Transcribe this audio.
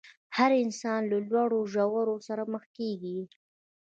هر انسان له لوړو ژورو سره مخ کېږي.